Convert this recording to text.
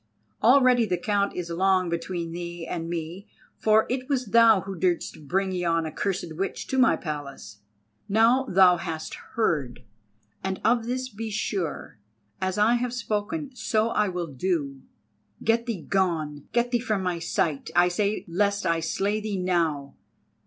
Already the count is long between thee and me, for it was thou who didst bring yon accursed witch to my Palace. Now thou hast heard, and of this be sure, as I have spoken so I will do. Get thee gone—get thee from my sight, I say, lest I slay thee now.